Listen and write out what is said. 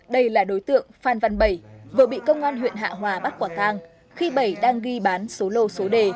đây là đối tượng phan văn bảy vừa bị công an huyện hạ hòa bắt quả tang khi bảy đang ghi bán số lô số đề